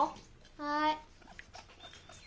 はい。